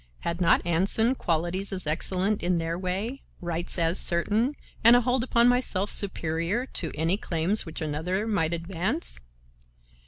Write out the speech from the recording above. Had not Anson qualities as excellent in their way, rights as certain, and a hold upon myself superior to any claims which another might advance?